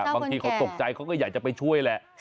บางทีเขาตกใจเขาก็อยากจะไปช่วยแหละ